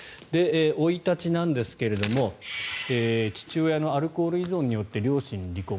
生い立ちなんですが父親のアルコール依存によって両親が離婚。